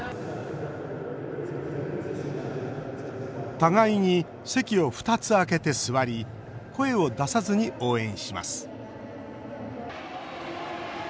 互いに席を２つ空けて座り声を出さずに応援します。